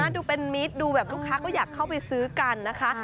ดูเป็นมีดดูแบบลูกค้าก็อยากเข้าไปซื้อกันนะคะ